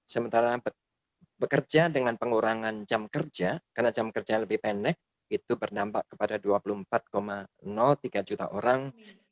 sementara bekerja dengan pengurangan jam kerja karena jam kerja lebih pendek itu berdampak kepada dua puluh empat tiga juta orang